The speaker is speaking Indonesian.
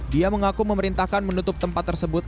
dia mengaku memerintahkan menutup tempat tersebut